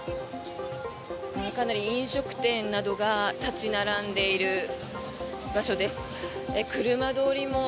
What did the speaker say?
かなり飲食店などが立ち並んでいる場所です。